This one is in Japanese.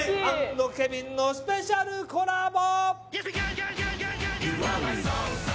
＆ケビンのスペシャルコラボ